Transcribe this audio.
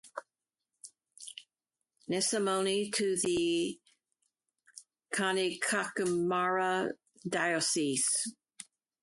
A. Nesamony to the Kanyakumari Diocese.